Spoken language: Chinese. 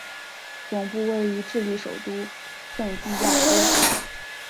总部位于智利首都圣地亚哥。